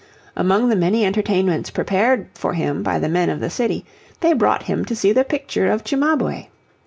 Among the many entertainments prepared for him by the men of the city, they brought him to see the picture of Cimabue.